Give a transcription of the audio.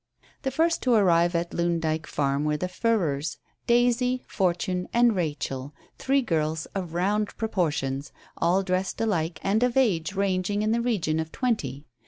The first to arrive at Loon Dyke Farm were the Furrers. Daisy, Fortune, and Rachel, three girls of round proportions, all dressed alike, and of age ranging in the region of twenty.